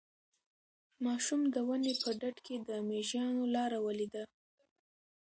ماشوم د ونې په ډډ کې د مېږیانو لاره ولیده.